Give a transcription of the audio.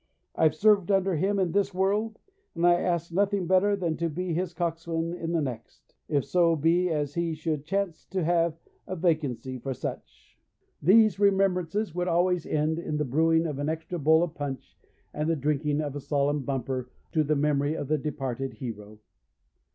I've served under him in this world, and I ask nothing better than to be his coxswain in the next if so be as he should chance to have a vacancy for such.' These remembrances would always end in the brewing of an extra bowl of punch, and the drinking of a solemn bumper to the memory of the departed hero.